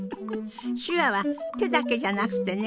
手話は手だけじゃなくてね